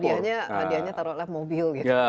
dan hadiahnya taruh lah mobil gitu